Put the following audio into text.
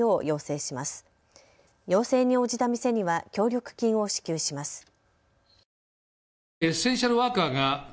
要請に応じた店には協力金を支給します。